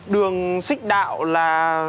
đường xích đạo là